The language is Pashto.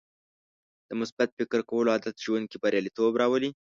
د مثبت فکر کولو عادت ژوند کې بریالیتوب راولي.